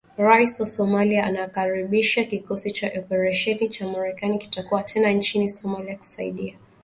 Rais wa Somalia anakaribisha kikosi cha operesheni cha Marekani, kitakuwa tena nchini Somalia kusaidia katika mapambano dhidi ya kundi la kigaidi la al-Shabaab.